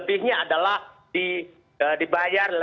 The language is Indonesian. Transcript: ini adalah dibayar